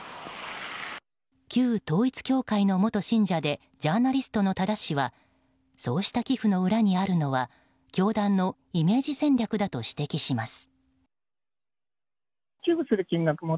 旧統一教会の元信者でジャーナリストとの多田氏はそうした寄付の裏にあるのは教団のイメージ戦略だと指摘します。